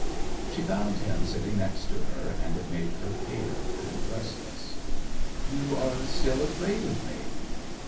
She found him sitting next to her, and it made her pale and restless. '"You are still afraid of me?"